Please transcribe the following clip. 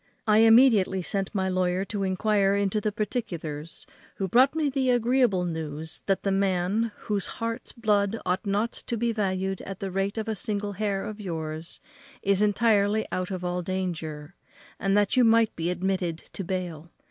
I immediately sent my lawyer to enquire into the particulars, who brought me the agreeable news that the man, whose heart's blood ought not to be valued at the rate of a single hair of yours, is entirely out of all danger, and that you might be admitted to bail.